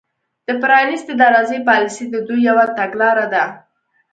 د پرانیستې دروازې پالیسي د دوی یوه تګلاره ده